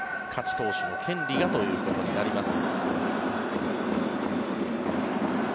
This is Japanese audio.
投手の権利がということになります。